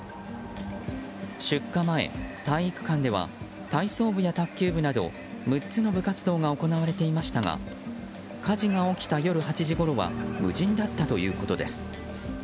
出火前、体育館では体操部や卓球部など６つの部活動が行われていましたが火事が起きた夜８時ごろは無人だったということです。